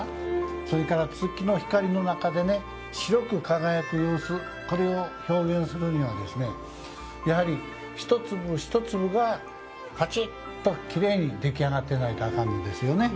それから月の光の中で白く輝く様子これを表現するには一粒一粒が、かちっときれいに出来上がってないとあかんのですよね。